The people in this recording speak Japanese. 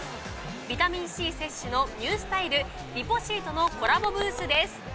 ビタミンＣ摂取のニュースタイルＬｙｐｏ−Ｃとのコラボブースです。